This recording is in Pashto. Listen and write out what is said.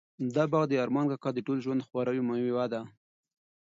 دا باغ د ارمان کاکا د ټول ژوند د خواریو مېوه ده.